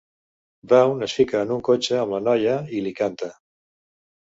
Brown es fica en un cotxe amb la noia i li canta.